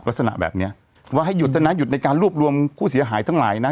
ลักษณะแบบเนี้ยว่าให้หยุดซะนะหยุดในการรวบรวมผู้เสียหายทั้งหลายนะ